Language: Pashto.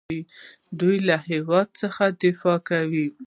دوی له هیواد څخه دفاع کوي.